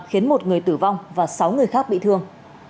khiến một người tử vong và sáu người khác bị thương